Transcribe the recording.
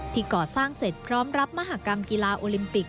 ก่อสร้างเสร็จพร้อมรับมหากรรมกีฬาโอลิมปิก